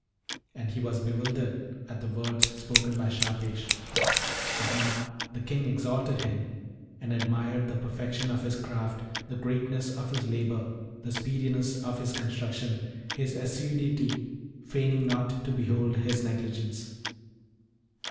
And he was bewildered at the words spoken by Shahpesh; but now the King exalted him, and admired the perfection of his craft, the greatness of his labour, the speediness of his construction, his assiduity; feigning not to behold his negligence.